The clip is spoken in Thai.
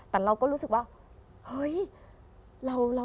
แต่เราก็รู้สึกว่า